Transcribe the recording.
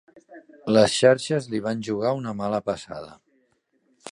Les xarxes li van jugar una mala passada.